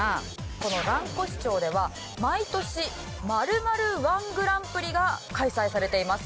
この蘭越町では毎年○○１グランプリが開催されています。